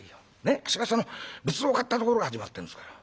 あっしがその仏像を買ったところから始まってんですから。